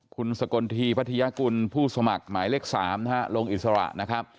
คุณสกลทีพัทยากุลผู้สมัครหมายเลข๓นะฮะลงอิสระนะครับ